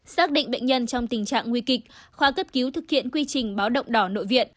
xác định bệnh nhân trong tình trạng nguy kịch khoa cấp cứu thực hiện quy trình báo động đỏ nội viện